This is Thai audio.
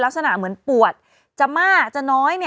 ลักษณะเหมือนปวดจะมากจะน้อย